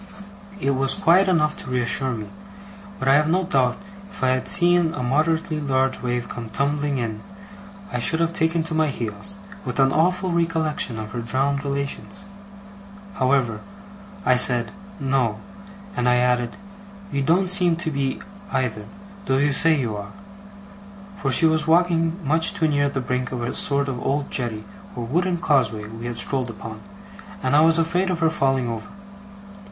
It was quiet enough to reassure me, but I have no doubt if I had seen a moderately large wave come tumbling in, I should have taken to my heels, with an awful recollection of her drowned relations. However, I said 'No,' and I added, 'You don't seem to be either, though you say you are,' for she was walking much too near the brink of a sort of old jetty or wooden causeway we had strolled upon, and I was afraid of her falling over.